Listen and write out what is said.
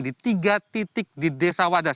di tiga titik di desa wadas